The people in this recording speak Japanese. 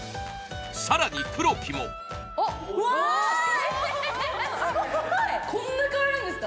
更に黒木もこんなに変わるんですか！？